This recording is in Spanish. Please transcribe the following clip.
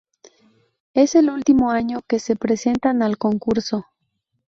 Es el último año que se presentan al concurso.